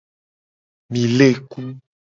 Mi le ku.